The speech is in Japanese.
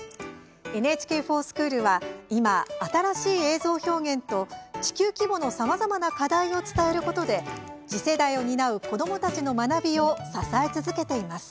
「ＮＨＫｆｏｒＳｃｈｏｏｌ」は今、新しい映像表現と地球規模のさまざまな課題を伝えることで次世代を担う子どもたちの学びを支え続けています。